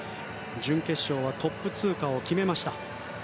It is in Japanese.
準決勝はトップ通過を決めました。